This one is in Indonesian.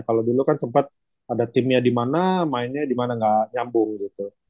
kalau dulu kan sempet ada timnya dimana mainnya dimana gak nyambung gitu